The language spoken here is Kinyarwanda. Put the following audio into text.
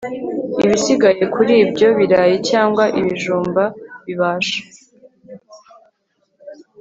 Ibisigaye kuri ibyo birayi cyangwa ibijumba bibasha